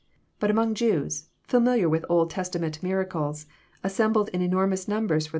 But among Jews, familiar with Old Testament miracles, assembled in enormous numbers for